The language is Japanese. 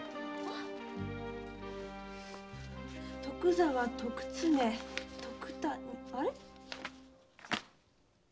「徳沢」「徳常」「徳谷」あれっ？